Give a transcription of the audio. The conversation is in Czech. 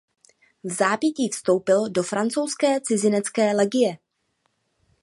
Vzápětí vstoupil do Francouzské cizinecké legie.